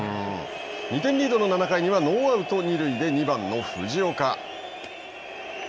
２点リードの７回にはノーアウト、二塁で２番の藤岡。